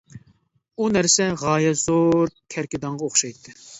ئۇ نەرسە غايەت زور كەركىدانغا ئوخشايتتى.